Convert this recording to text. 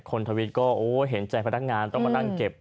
คนทวิทย์ก็เห็นใจพนักงานต้องมานั่งเก็บ